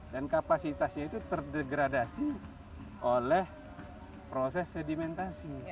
dan kapasitasnya itu terdegradasi oleh proses sedimentasi